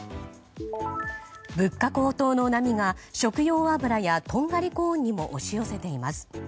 物価高騰の波が食用油やとんがりコーンにも押し寄せています。